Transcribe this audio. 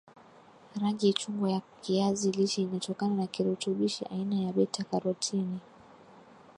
rangi chungwa ya kiazi lishe inatokana na kirutubishi aina ya beta karotini